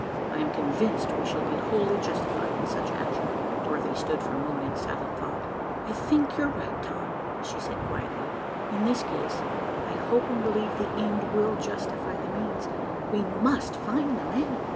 I am convinced we shall be wholly justified in such action." Dorothy stood for a moment in silent thought. "I think you are right, Tom," she said quietly. "In this case I hope and believe the end will justify the means. We must find 'the man.